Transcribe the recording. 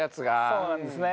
そうなんですね。